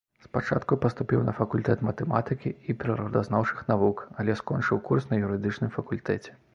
Спачатку паступіў на факультэт матэматыкі і прыродазнаўчых навук, але скончыў курс на юрыдычным факультэце.